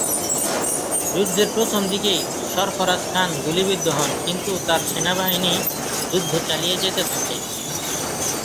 যুদ্ধের প্রথম দিকেই সরফরাজ খান গুলিবিদ্ধ হন কিন্তু তার সেনাবাহিনী যুদ্ধ চালিয়ে যেতে থাকে।